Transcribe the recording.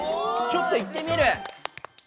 ちょっといってみる。